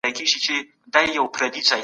هغې دواړه ترلاسه کړل.